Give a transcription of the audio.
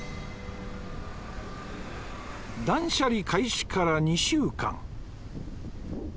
断捨離開始から２週間